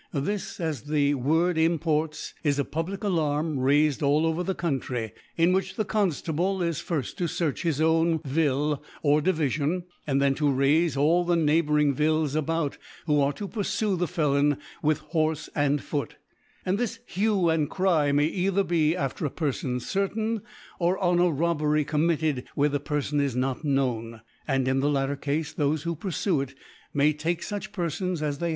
This, as the Word imports, is a public A larm raifed all over the Country, in which the Gonftable is firft to fearch his own Vjll or Divifion, and then . to raife all the neigh bouring Viils about, who are to purfue the Felon with Horfe and f Foot, And this Hue and Cry may either be after a Perfon certain, or on a Robbery committed where the Perfon is* not known ; and in the latter Gafe, thofe who purfue it may t^ke fuch Perfons as they have probablcCaufetofuf peft, (J Vagrants, (^c.